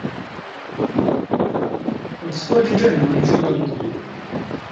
Alielekea chumbani akijua kulikuwa na kitu muhimu